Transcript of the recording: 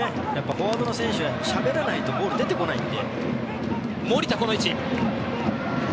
フォワードの選手はしゃべらないとボールが出てこないので。